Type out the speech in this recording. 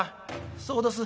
「そうどす。